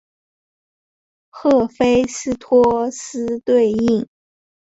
赫菲斯托斯对应。